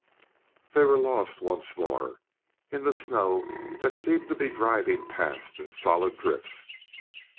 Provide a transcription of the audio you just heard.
They were lost once more in the snow that seemed to be driving past in solid drifts.